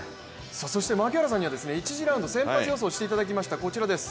そして槙原さんには一次ラウンドの先発予想をしてもらいました。